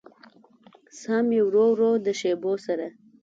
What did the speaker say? ساه مې ورو ورو د شېبو سره